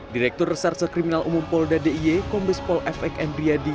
direktur reserse kriminal umum polda d i e kombes pol f e k m riyadi